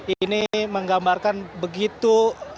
ini menggambarkan begitu